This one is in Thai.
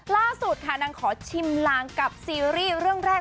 ล่าสุดค่ะนางขอชิมลางกับซีรีส์เรื่องแรก